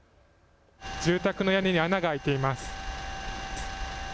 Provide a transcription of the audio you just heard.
住宅の屋根に穴が開いています。